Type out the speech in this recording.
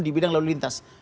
di bidang lalu lintas